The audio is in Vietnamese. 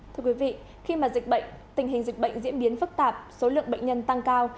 thưa quý vị khi mà dịch bệnh tình hình dịch bệnh diễn biến phức tạp số lượng bệnh nhân tăng cao